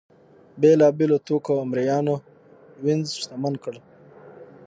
بېلابېلو توکو او مریانو وینز شتمن کړ.